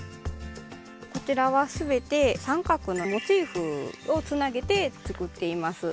こちらは全て三角のモチーフをつなげて作っています。